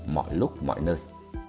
mọi lúc mọi nơi